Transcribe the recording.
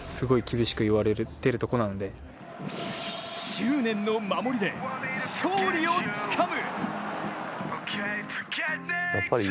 執念の守りで勝利をつかむ！